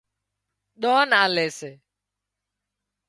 ۮانَ آلي سي